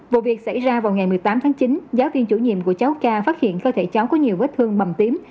vụ việc xảy ra vào ngày một mươi tám tháng chín giáo viên chủ nhiệm của cháu ca phát hiện cơ thể cháu có nhiều vết thương mầm tím